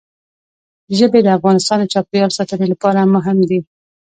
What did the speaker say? ژبې د افغانستان د چاپیریال ساتنې لپاره مهم دي.